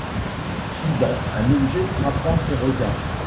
Soudain, un objet frappa ses regards.